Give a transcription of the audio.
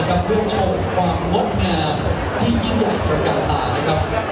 เพื่อชมความมดงามที่ยิ่งใหญ่กว่าการต่าง